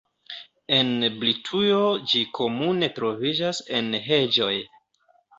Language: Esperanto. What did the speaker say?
En Britujo ĝi komune troviĝas en heĝoj.